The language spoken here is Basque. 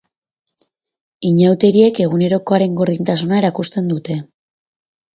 Inauteriek egunerokoaren gordintasuna erakusten dute.